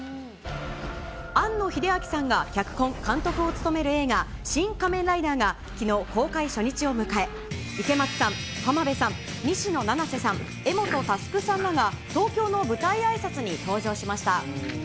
庵野ひであきさんが脚本、監督を務める映画、シン・仮面ライダーが、きのう、公開初日を迎え、池松さん、浜辺さん、西野七瀬さん、柄本佑さんらが東京の舞台あいさつに登場しました。